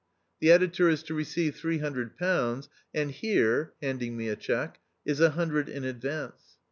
The editor is to receive three hundred pounds, and here (handing me a cheque) is a hundred in advance.